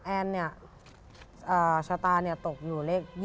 แอนเนี่ยชะตาตกอยู่เลข๒